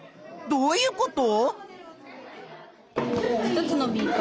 どういうこと？